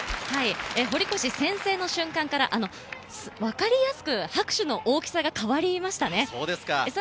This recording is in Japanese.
堀越先制の瞬間から、分かりやすく拍手の大きさが変わりましたね。